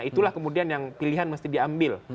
itulah kemudian yang pilihan mesti diambil